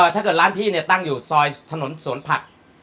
ถ้าเกิดร้านพี่เนี่ยตั้งอยู่ซอยถนนสวนผัก